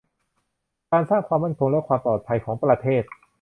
การสร้างความมั่นคงและความปลอดภัยของประเทศ